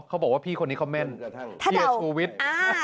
เขาบอกว่าพี่คนนี้เขาแม่นเฮียชูวิทย์